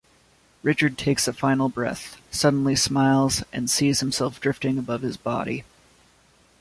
Richard takes a final breath, suddenly smiles, and sees himself drifting above his body.